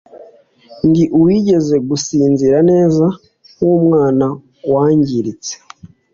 ninde wigeze gusinzira neza kwumwana wangiritse